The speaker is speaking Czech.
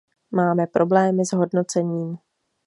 Máme problémy s hodnocením.